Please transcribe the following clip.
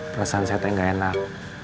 perasaan saya tak enggak enak